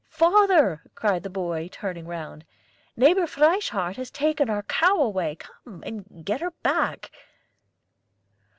father!" cried the boy, turning round, "Neighbor Frieshardt has taken our cow away. Come and get her back."